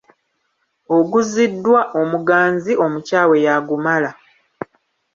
Oguziddwa omuganzi omukyawe y'agumala.